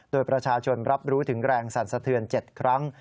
โดยประชาชนรับรู้ถึงแรงสั่นสะเทือน๗ครั้ง